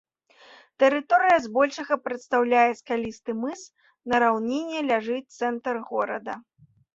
Тэрыторыя збольшага прадстаўляе скалісты мыс, на раўніне ляжыць цэнтр горада.